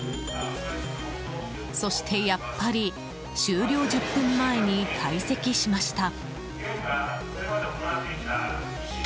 そして、やっぱり終了１０分前に退席しました。